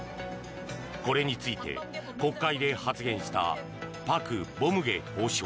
これについて、国会で発言したパク・ボムゲ法相。